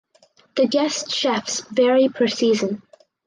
The guest chefs vary per season.